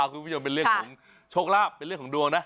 คุณผู้ชมเป็นเรื่องของโชคลาภเป็นเรื่องของดวงนะ